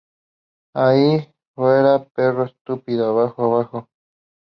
¡ Ay! ¡ fuera, perro estúpido! ¡ abajo! ¡ abajo!